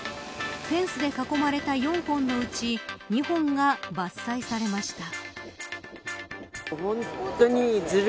フェンスで囲まれた４本のうち２本が伐採されました。